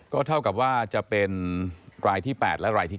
ก็เท่ากับว่าจะเป็นรายที่๘และรายที่๙